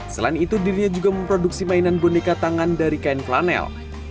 selain itu dirinya juga memproduksi mainan boneka tangan dari kain flanel